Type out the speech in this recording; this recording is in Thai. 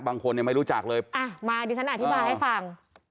บางคนเนี่ยไม่รู้จักเลยอ่ะมาดิฉันอธิบายให้ฟัง